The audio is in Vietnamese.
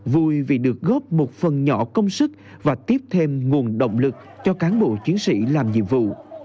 vui vì được góp một phần nhỏ công sức và tiếp thêm nguồn động lực cho cán bộ chiến sĩ làm nhiệm vụ